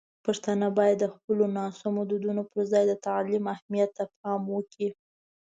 پښتانه باید د خپلو ناسمو دودونو پر ځای د تعلیم اهمیت ته پام وکړي.